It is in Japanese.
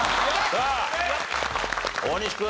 さあ大西君。